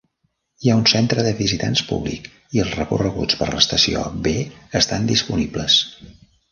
Hi ha un centre de visitants públic i els recorreguts per l'estació "B" estan disponibles.